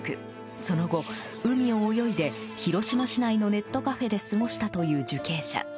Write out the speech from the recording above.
その後、海を泳いで広島市内のネットカフェで過ごしたという受刑者。